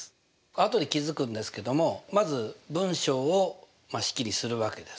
あとで気付くんですけどもまず文章を式にするわけです。